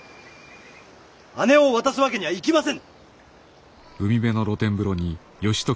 姉を渡すわけにはいきませぬ！